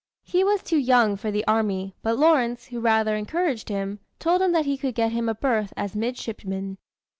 He was too young for the army, but Lawrence, who rather encouraged him, told him that he could get him a berth as midshipman.